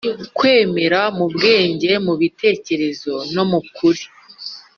kwemera mu bwenge mu bitekerezo no mu kuri